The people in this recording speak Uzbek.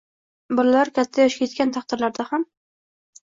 Bolalar katta yoshga yetgan taqdirlarida ham